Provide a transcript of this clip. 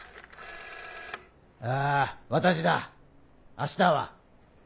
あぁ私だ明日は？